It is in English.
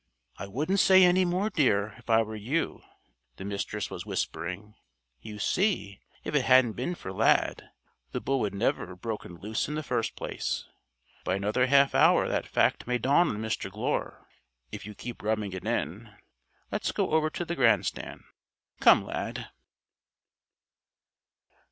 "I wouldn't say any more, dear, if I were you," the Mistress was whispering. "You see, if it hadn't been for Lad, the bull would never have broken loose in the first place. By another half hour that fact may dawn on Mr. Glure, if you keep rubbing it in. Let's go over to the grand stand. Come, Lad!"